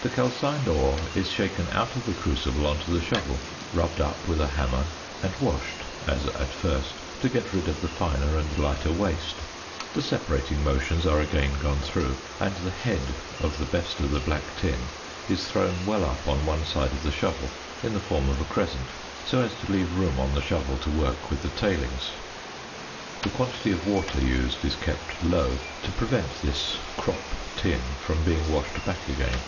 The calcined ore is shaken out of the crucible on to the shovel; rubbed up with a hammer; and washed (as at first) to get rid of the finer and lighter "waste." The separating motions are again gone through; and the "head" of the best of the black tin is thrown well up on one side of the shovel in the form of a crescent, so as to leave room on the shovel to work with the "tailings." The quantity of water used is kept low, to prevent this "crop" tin from being washed back again.